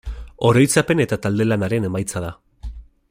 Oroitzapen eta talde-lanaren emaitza da.